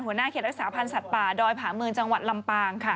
เขตรักษาพันธ์สัตว์ป่าดอยผาเมืองจังหวัดลำปางค่ะ